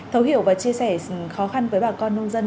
thấu hiểu và chia sẻ khó khăn với bà con nông dân